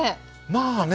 まあね